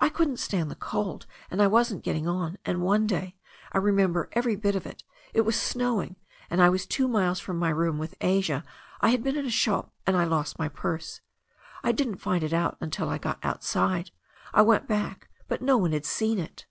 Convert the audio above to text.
I couldn't stand the cold and I wasn't getting on, and one day, I remember every bit of it — it was snow ing, and I was two miles from my room, with Asia — I had been in a shop and I lost my purse. I didn't find it out till I got outside. I went back, but no one had seen it.